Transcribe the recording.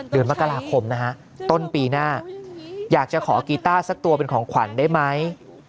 เดือนมกราคมนะฮะต้นปีหน้าอยากจะขอกีต้าสักตัวเป็นของขวัญได้ไหม